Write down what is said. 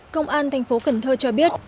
công an thành phố cần thơ cho biết